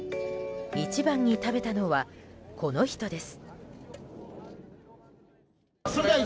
一番に食べたのは、この人です。